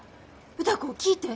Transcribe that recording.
歌子聞いて。